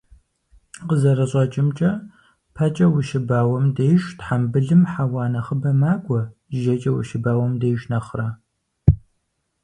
КъызэрыщӀэкӀымкӀэ, пэкӀэ ущыбауэм деж тхьэмбылым хьэуа нэхъыбэ макӀуэ, жьэкӀэ ущыбауэм деж нэхърэ.